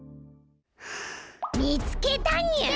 みつけたにゅう！